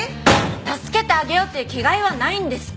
助けてあげようっていう気概はないんですか？